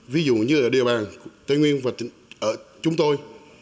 ví dụ như ở địa bàn tây nguyên và ở chúng tôi